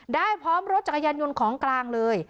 พร้อมรถจักรยานยนต์ของกลางเลย